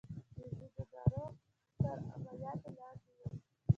د ځينو ناروغ تر عملياتو لاندې وو.